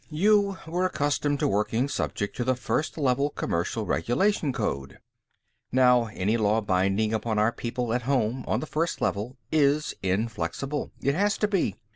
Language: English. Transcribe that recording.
You were accustomed to working subject to the First Level Commercial Regulation Code. Now, any law binding upon our people at home, on the First Level, is inflexible. It has to be.